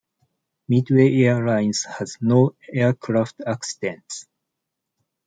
Midway Airlines had no aircraft accidents.